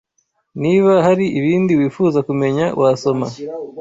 Niba hari ibindi wifuza kumenya wasoma